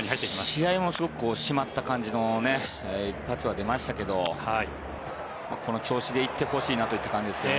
試合もすごく締まった感じの１発が出ましたけどこの調子で行ってほしいなという感じですけどね。